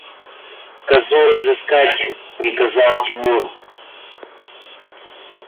– Козу разыскать! – приказал Тимур.